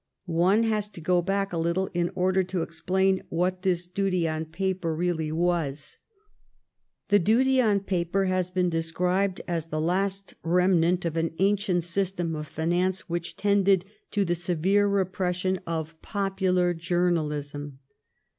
One has to go back a little in order to explain what this duty on paper really was. The duty on paper has been described as the last remnant of an ancient sys tem of finance which tended to the severe repres sion of popular journalism.